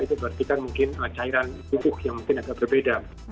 itu berarti kan mungkin cairan tubuh yang mungkin agak berbeda